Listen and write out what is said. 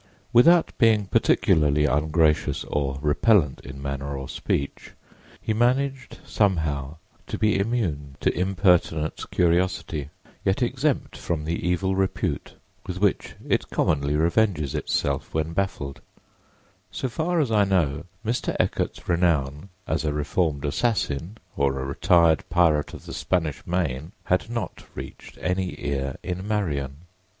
Without being particularly ungracious or repellent in manner or speech, he managed somehow to be immune to impertinent curiosity, yet exempt from the evil repute with which it commonly revenges itself when baffled; so far as I know, Mr. Eckert's renown as a reformed assassin or a retired pirate of the Spanish Main had not reached any ear in Marion.